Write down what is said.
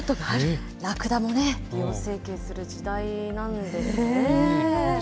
ラクダもね、美容整形する時代なんですね。